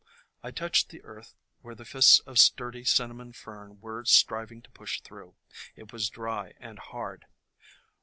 I touched the earth where the fists of sturdy Cinnamon Fern were striving to push through ; it was dry and hard.